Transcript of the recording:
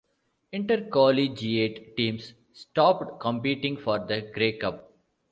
Intercollegiate teams stopped competing for the Grey Cup.